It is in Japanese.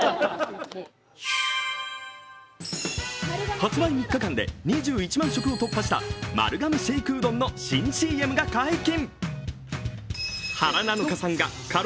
発売３日間で２１万食を突破した丸亀シェイクうどんの新ＣＭが解禁。